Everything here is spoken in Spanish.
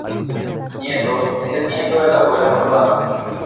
Nieto: Es el nieto de la abuela malvada.